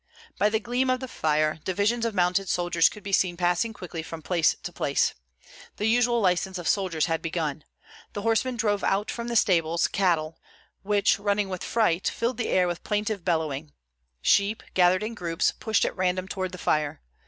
By the gleam of the fire, divisions of mounted soldiers could be seen passing quickly from place to place. The usual license of soldiers had begun. The horsemen drove out from the stables cattle, which running with fright, filled the air with plaintive bellowing; sheep, gathered in groups, pushed at random toward the fire.